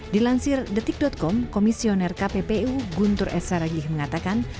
dilansir detik com komisioner kppu guntur esaragih mengatakan